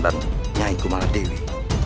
dan nyai kumaladewi